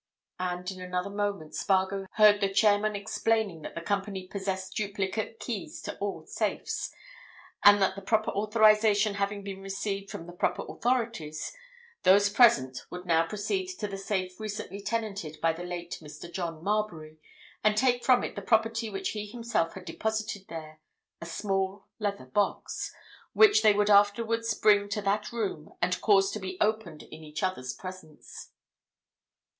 And in another moment Spargo heard the chairman explaining that the company possessed duplicate keys to all safes, and that the proper authorization having been received from the proper authorities, those present would now proceed to the safe recently tenanted by the late Mr. John Marbury, and take from it the property which he himself had deposited there, a small leather box, which they would afterwards bring to that room and cause to be opened in each other's presence.